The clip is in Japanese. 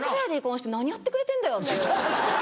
何やってくれてんだよって。